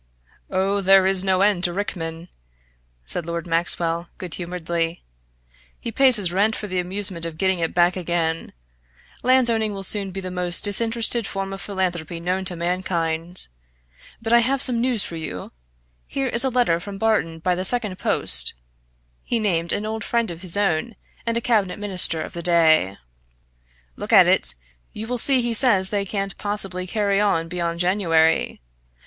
"Oh, there is no end to Rickman," said Lord Maxwell, good humouredly. "He pays his rent for the amusement of getting it back again. Landowning will soon be the most disinterested form of philanthropy known to mankind. But I have some news for you! Here is a letter from Barton by the second post" he named an old friend of his own, and a Cabinet Minister of the day. "Look at it. You will see he says they can't possibly carry on beyond January.